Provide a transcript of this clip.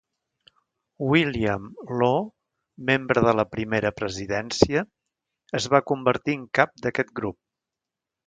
William Law, membre de la Primera Presidència, es va convertir en cap d'aquest grup.